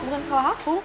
bukan salah aku